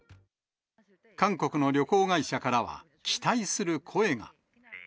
韓国の旅行会社からは、期待する声が。